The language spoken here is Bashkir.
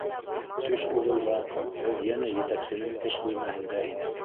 Төш уҙыуға беҙ йәнә етәксенең эш бүлмәһендә инек.